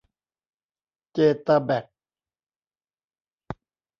เจตาแบค